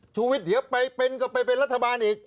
ชูวิทย์เดี๋ยวไปเป็นก็ไปเป็นรัฐบาลอีก